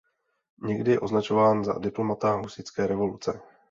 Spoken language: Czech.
Někdy je označován za diplomata husitské revoluce.